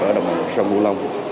ở đồng bằng sông cổ long